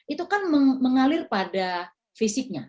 itu kan mengalir pada fisiknya